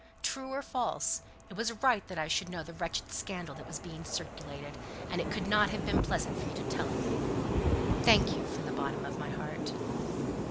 True or false, it was right I should know the wretched scandal that was being circulated; and it couldn't have been pleasant for you to tell it me. Thank you from the bottom of my heart."